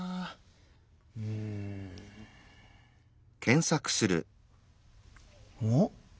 うん。おっ！